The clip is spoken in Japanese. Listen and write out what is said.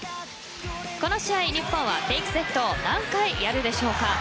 この試合日本はフェイクセットを何回やるでしょうか。